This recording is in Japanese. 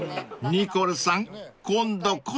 ［ニコルさん今度こそ］